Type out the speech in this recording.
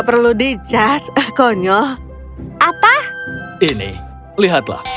perlu di cas konyol apa ini lihatlah